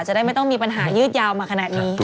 จะได้ไม่ต้องมีปัญหายืดยาวมาขนาดนี้